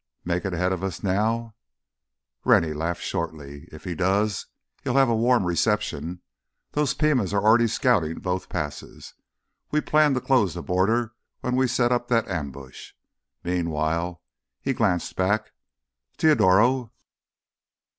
"Make it ahead of us now?" Rennie laughed shortly. "If he does, he'll have a warm reception. The Pimas are already scouting both passes. We planned to close the border when we set up that ambush. Meanwhile"—he glanced back—"Teodoro!"